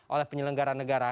oleh penyelenggara negara